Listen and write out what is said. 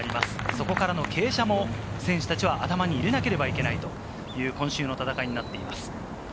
そこからの傾斜も選手たちは頭に入れなければいけないという今週の戦いになっています。